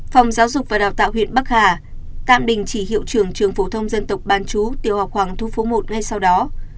phòng giáo dục và đào tạo huyện bắc hà tạm đình chỉ hiệu trường trường phổ thông dân tộc bán chú tiểu học hoàng thu phú một ngay sau đó